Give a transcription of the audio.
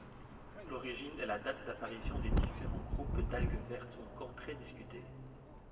L'origine et la date d'apparition des différents groupes d'algues vertes sont encore très discutées.